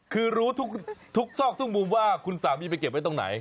คือรู้ทุกซอกทุกมุมว่าคุณสามีไปเก็บไว้ตรงไหน